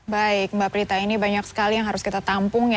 baik mbak prita ini banyak sekali yang harus kita tampung ya